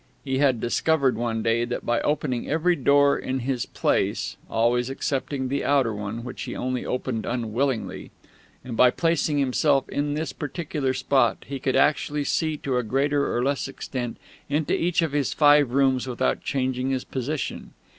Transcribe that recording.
He had discovered one day that by opening every door in his place (always excepting the outer one, which he only opened unwillingly) and by placing himself on this particular spot, he could actually see to a greater or less extent into each of his five rooms without changing his position.